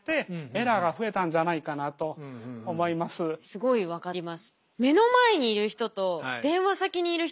すごい分かります。